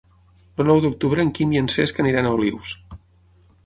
El nou d'octubre en Quim i en Cesc aniran a Olius.